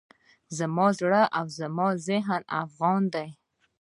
زما زړه او ذهن افغان دی.